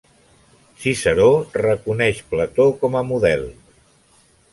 Ciceró reconeix Plató com a model.